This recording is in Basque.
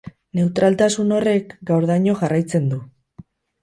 Neutraltasun horrek gaurdaino jarraitzen du.